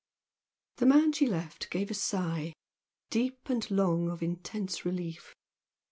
The man she left gave a sigh, deep and long of intense relief.